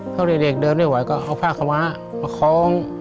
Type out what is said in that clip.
ถ้าเด็กเดินไม่ไหวก็เอาผ้ากระมะมาคล้อง